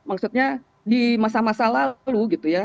maksudnya di masa masa lalu gitu ya